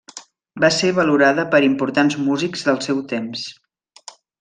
Va ser valorada per importants músics del seu temps.